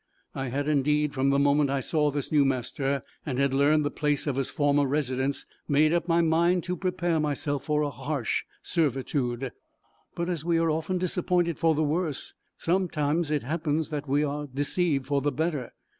I had indeed, from the moment I saw this new master, and had learned the place of his former residence, made up my mind to prepare myself for a harsh servitude; but as we are often disappointed for the worse, so it sometimes happens, that we are deceived for the better.